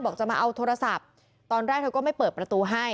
จะมาเอาโทรศัพท์ตอนแรกเธอก็ไม่เปิดประตูให้